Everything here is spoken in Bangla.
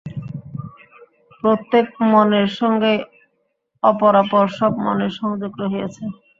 প্রত্যেক মনের সঙ্গেই অপরাপর সব মনের সংযোগ রহিয়াছে।